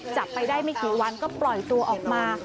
จับไปได้ไม่กี่วันก็ปล่อยตัวออกมา